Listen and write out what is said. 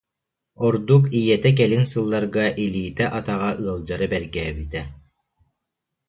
Ордук ийэтэ кэлин сылларга илиитэ-атаҕа ыалдьара бэргээбитэ